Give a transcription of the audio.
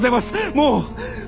もう！